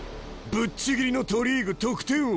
ぶっちぎりの都リーグ得点王だ。